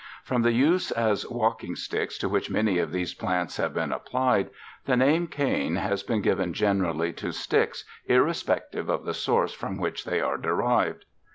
From the use as walking sticks to which many of these plants have been applied, the name cane has been given generally to "sticks" irrespective of the source from which they are derived.